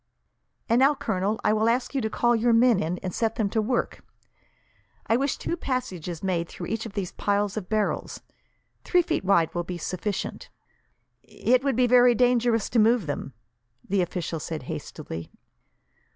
"And now, Colonel, I will ask you to call your men in, and set them to work. I wish two passages made through each of these piles of barrels. Three feet wide will be sufficient." "It would be very dangerous to move them," the official said hastily.